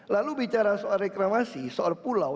lalu bicara soal reklamasi soal pulau